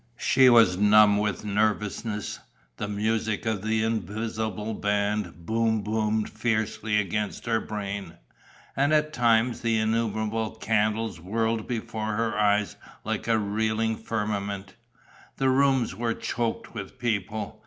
She was numb with nervousness. The music of the invisible band boom boomed fiercely against her brain; and at times the innumerable candles whirled before her eyes like a reeling firmament. The rooms were choked with people.